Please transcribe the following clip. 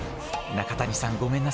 中谷さんごめんなさい。